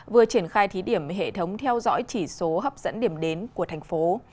vừa triển khai thí điểm hệ thống theo dõi chỉ số hấp dẫn điểm đến của thành phố